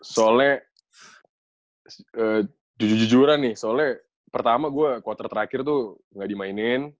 soalnya jujur jujuran nih soalnya pertama gue quarter terakhir tuh gak dimainin